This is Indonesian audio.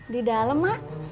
di dalam mak